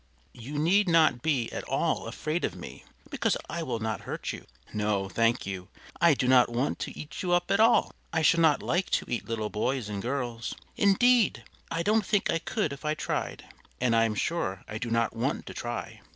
You need not be at all afraid of me, because I will not hurt you. No, thank you, I do not want to eat you up at all; I should not like to eat little boys and girls; indeed, I don't think I could if I tried, and I am sure I do not want to try.